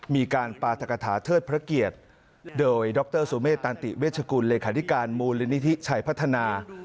มีการปราธกฐาเทิดพระเกียรติโดยดรสุเมษตันติเวชกุลเลขาธิการมูลนิธิชัยพัฒนา